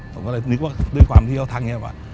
ผมก็เลยนึกว่าด้วยความที่เขาทักนี้หรือเปล่า